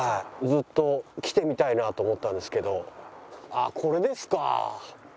ああこれですか。